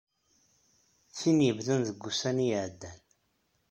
Tin yebdan deg wussan iɛeddan.